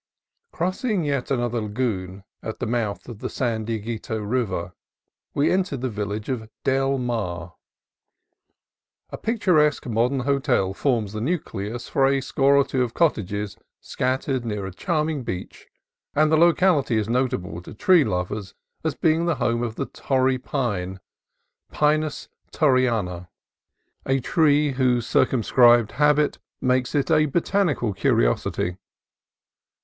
Crossing yet another lagoon at the mouth of the San Dieguito River, we entered the village of Del Mar. A picturesque modern hotel forms the nucleus for a score or two of cottages scattered near a charm ing beach, and the locality is notable to tree lovers as being the home of the Torrey pine (Pinus torrey ana), a tree whose circumscribed habitat makes it a botanical curiosity.